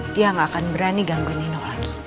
dia nggak akan berani ganggu nino lagi